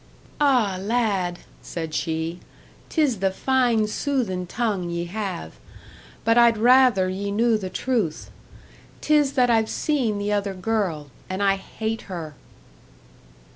"Ah, lad!" said she. "'Tis the fine soothin' tongue ye have but I'd rather ye knew the truth. 'Tis that I've seen the other girl; and I hate her!"